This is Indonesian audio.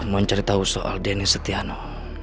menceritakan soal denny setiano